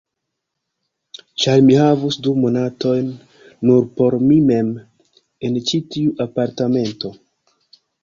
Ĉar mi havus du monatojn, nur por mi mem, en ĉi tiu apartamento.